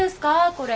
これ。